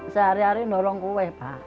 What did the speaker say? sehari hari nolong kue pak